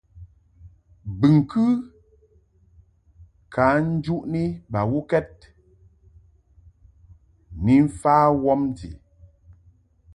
Bɨŋkɨ ka njuʼni bawukɛd ni mfa wɔmti.